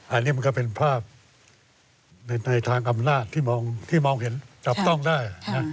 อันนี้มันก็เป็นภาพในทางอำนาจที่มองเห็นจับต้องได้